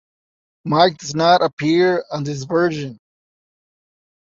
Mike does not appear on this version.